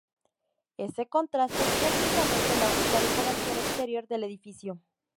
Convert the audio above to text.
Ese contraste es prácticamente la única decoración exterior del edificio.